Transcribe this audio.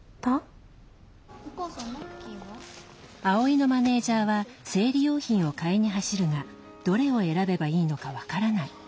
アオイのマネージャーは生理用品を買いに走るがどれを選べばいいのか分からない。